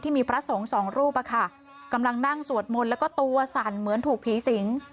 มีพระสงฆ์สองรูปอะค่ะกำลังนั่งสวดมนต์แล้วก็ตัวสั่นเหมือนถูกผีสิง